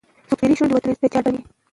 څوک سپېرې شونډي وتلي د چا ډکي پیمانې دي